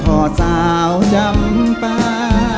ห้อยขอดสาวจำป่า